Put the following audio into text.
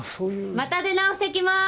また出直して来ます！